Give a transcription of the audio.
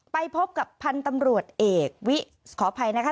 ไปพบกับพันธุ์ตำรวจเอกวิขออภัยนะคะ